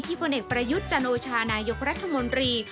ผลเอกประยุทธ์จันโอชานายกรัฐมนตรี